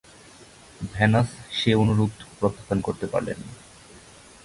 Venous সে অনুরোধ প্রত্যাখ্যান করতে পারলেননা।